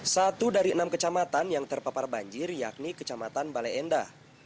satu dari enam kecamatan yang terpapar banjir yakni kecamatan bale endah